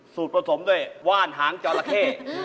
สูตรผสมด้วยว่านหางจ๋อลาเผ้